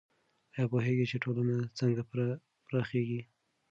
آیا پوهېږئ چې ټولنه څنګه پراخیږي؟